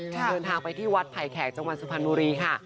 เดินทางไปที่วัดไผ่แขกจังหวัดสุพรรณบุรีค่ะ